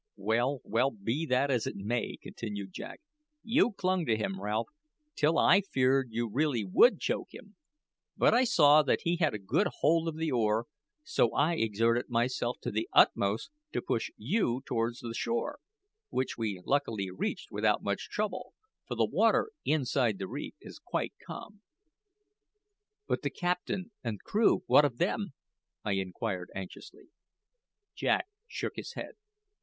"Well, well, be that as it may," continued Jack, "you clung to him, Ralph, till I feared you really would choke him. But I saw that he had a good hold of the oar; so I exerted myself to the utmost to push you towards the shore, which we luckily reached without much trouble, for the water inside the reef is quite calm." "But the captain and crew, what of them?" I inquired anxiously. Jack shook his head.